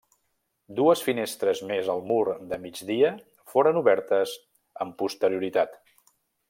Dues finestres més al mur de migdia foren obertes amb posterioritat.